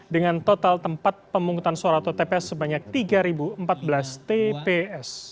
dengan total tempat pemungutan suara atau tps sebanyak tiga empat belas tps